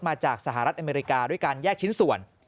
มาจากสหรัฐอเมริกาด้วยการแยกชิ้นส่วน